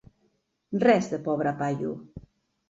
Res de pobre paio!